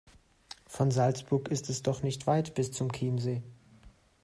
Von Salzburg ist es doch nicht weit bis zum Chiemsee.